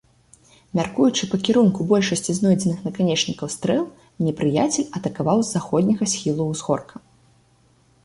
Мяркуючы па кірунку большасці знойдзеных наканечнікаў стрэл, непрыяцель атакаваў з заходняга схілу ўзгорка.